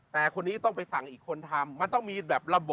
แต่คนนี้ต้องไปสั่งอีกคนทำมันต้องมีแบบระบบ